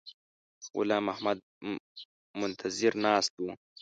غلام محمد منتظر ناست وو.